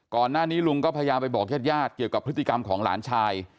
ก่อนหน้านี้ลุงก็พยายามไปบอกญาติเกี่ยวกับพฤติกรรมของหลานชาย